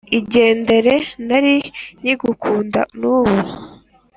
Igendere nari nkigukunda nubu